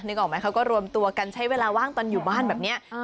ออกไหมเขาก็รวมตัวกันใช้เวลาว่างตอนอยู่บ้านแบบนี้